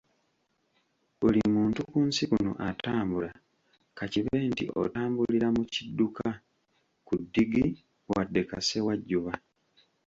Buli muntu ku nsi kuno atambula, ka kibe nti otambulira mu kidduka, ku ddigi, wadde ka ssewajjuba.